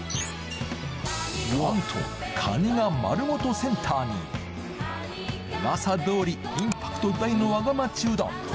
なんとカニが丸ごとセンターに噂どおりインパクト大のわが町うどん